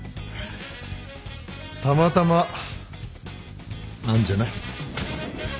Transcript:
たまたまなんじゃない？